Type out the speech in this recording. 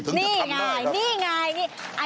นี่ไงนี่ไง